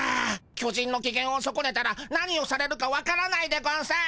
巨人のきげんをそこねたら何をされるかわからないでゴンス。